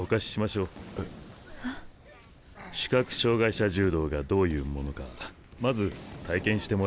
視覚障害者柔道がどういうものかまず体験してもらいましょう。